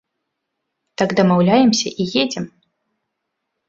Так дамаўляемся і едзем.